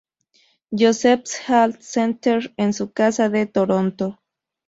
Joseph's Health Centre en su casa de Toronto.